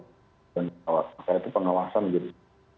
pengawasan itu pengawasan menjadi